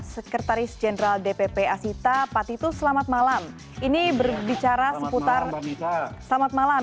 sekretaris jenderal dpp asita patitus selamat malam